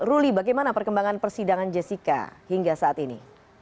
ruli bagaimana perkembangan persidangan jessica hingga saat ini